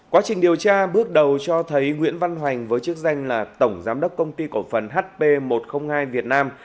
quá trình điều tra bước đầu cho thấy nguyễn văn hoành với chức danh là tổng giám đốc công ty cổ phần hp một trăm linh hai việt nam